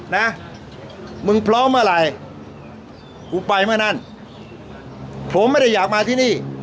นะมึงพร้อมเมื่อไหร่กูไปเมื่อนั่นผมไม่ได้อยากมาที่นี่